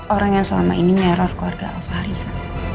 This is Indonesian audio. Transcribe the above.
orang yang selama ini neror keluarga alva harika